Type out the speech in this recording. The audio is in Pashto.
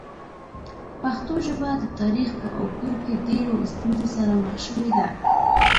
پښتو ژبه د تاریخ په اوږدو کې ډېرو ستونزو سره مخ شوې ده.